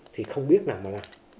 thì không biết nào mà là